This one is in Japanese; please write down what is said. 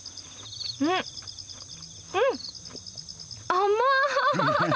甘い。